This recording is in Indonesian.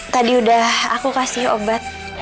tadi udah aku kasih obat